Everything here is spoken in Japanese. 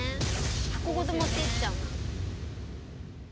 箱ごと持っていっちゃうな。